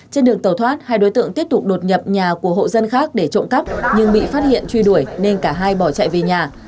trên đường tàu thoát hai đối tượng tiếp tục đột nhập nhà của hộ dân khác để trộm cắp nhưng bị phát hiện truy đuổi nên cả hai bỏ chạy về nhà